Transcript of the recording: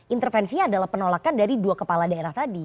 intervensinya adalah penolakan dari dua kepala daerah tadi